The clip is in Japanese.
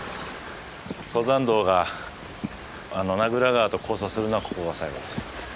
登山道が名蔵川と交差するのはここが最後です。